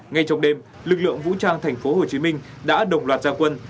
ngay trong đêm lực lượng vũ trang thành phố hồ chí minh đã đồng loạt gia quân